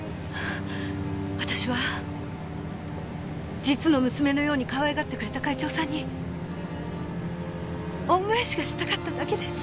私は実の娘のようにかわいがってくれた会長さんに恩返しがしたかっただけです。